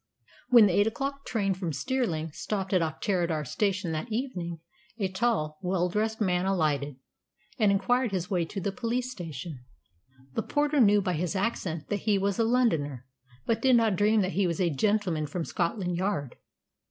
When the eight o'clock train from Stirling stopped at Auchterarder Station that evening, a tall, well dressed man alighted, and inquired his way to the police station. The porter knew by his accent that he was a Londoner, but did not dream that he was "a gentleman from Scotland Yard."